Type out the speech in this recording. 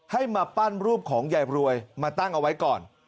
ให้มาปั้นรูปของยายรวยมาตั้งเอาไว้ก่อน